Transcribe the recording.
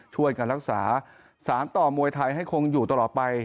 ช่วยกันรักษาสารต่อมวยไทยให้คงอยู่ตลอดไป